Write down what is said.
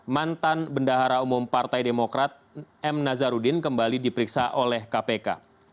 mantan bendahara umum partai demokrat m nazarudin kembali diperiksa oleh kpk